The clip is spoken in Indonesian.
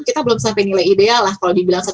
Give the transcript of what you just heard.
kita belum sampai nilai ideal lah kalau dibilang